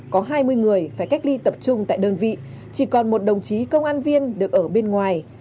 có hai mươi người phải cách ly tập trung tại đơn vị chỉ còn một đồng chí công an viên được ở bên ngoài